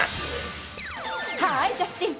ハーイジャスティン。